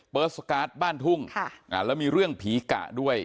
สการ์ดบ้านทุ่งแล้วมีเรื่องผีกะด้วย